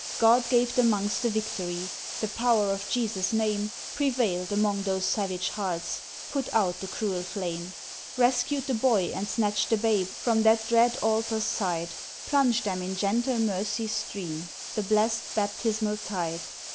God gave the Monks the victory, The power of Jesus' Name Prevailed among those savage hearts, Put out the cruel flame; Rescued the boy, and snatched the babe From that dread altar's side; Plunged them in gentle mercy's stream, The blest Baptismal tide.